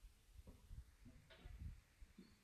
它是赛车史上以死亡人数计算最严重的事故。